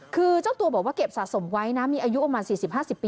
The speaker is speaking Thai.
คือเจ้าก็บอกว่าเก็บสะสมไว้นะมีอายุก็มาสี่สิบห้าสิบปี